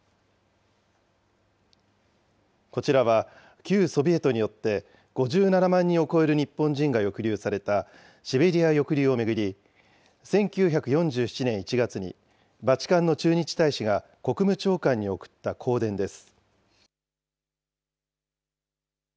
こちらは、旧ソビエトによって、５７万人を超える日本人が抑留された、シベリア抑留を巡り、１９４７年１月にバチカンの駐日大使が国務長官に送った公電です。